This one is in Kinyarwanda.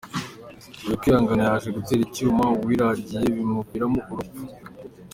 Uyu Kwihangana yaje gutera icyuma Uwiragiye bimuviramo urupfu.